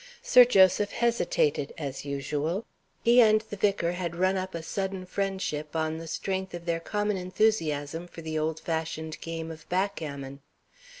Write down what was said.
Sir Joseph hesitated, as usual. He and the vicar had run up a sudden friendship, on the strength of their common enthusiasm for the old fashioned game of backgammon.